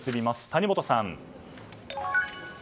谷元さん。